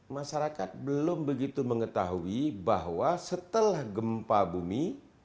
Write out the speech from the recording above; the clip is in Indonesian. masyarakat belum begitu mengetahui bahwa setelah gempa bumi